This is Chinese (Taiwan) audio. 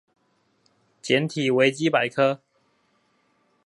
簡體維基百科